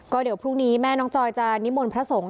ก็เดี๋ยวพรุ่งนี้แม่น้องจอยจะนิมนต์พระสงฆ์